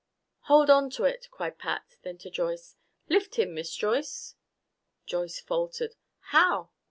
"Hold on to it!" cried Pat. Then to Joyce, "Lift him, Miss Joyce." Joyce faltered, "How?